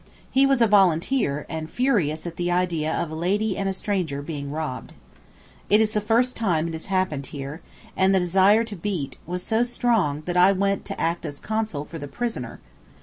He was a volunteer, and furious at the idea of a lady and a stranger being robbed. It is the first time it has happened here, and the desire to beat was so strong that I went to act as counsel for the prisoner.